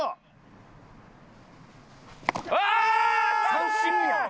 三振やん。